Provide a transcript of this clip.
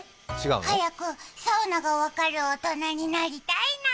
早くサウナが分かる大人になりたいなあ。